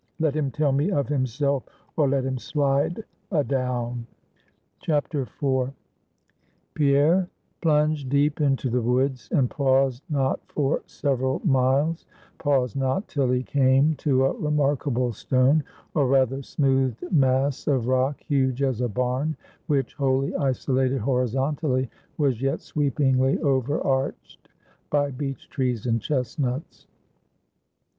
Let him tell me of himself, or let him slide adown!" IV. Pierre plunged deep into the woods, and paused not for several miles; paused not till he came to a remarkable stone, or rather, smoothed mass of rock, huge as a barn, which, wholly isolated horizontally, was yet sweepingly overarched by beech trees and chestnuts.